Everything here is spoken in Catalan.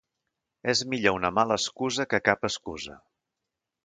És millor una mala excusa que cap excusa.